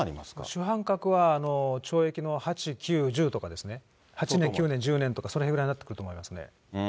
主犯格は懲役の８、９、１０とかですね、８年、９年、１０年とかそのへんぐらいになってくると思いますね。